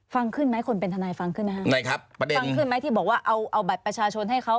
ฟังขึ้นไหมคนเป็นทนายฟังขึ้นนะครับไงครับประเด็นมาบอกว่าเอาเอาบัตรประชาชนให้เขา